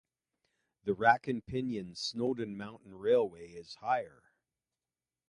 The rack and pinion Snowdon Mountain Railway is higher.